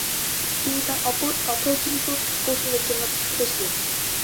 তিনি তার অপ্রচলিত কৌশলের জন্য বিখ্যাত ছিলেন।